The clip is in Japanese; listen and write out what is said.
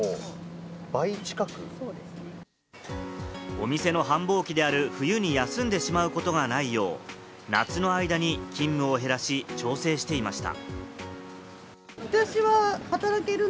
お店の繁忙期である冬に休んでしまうことがないよう、夏の間に勤務を減らし、調整していました。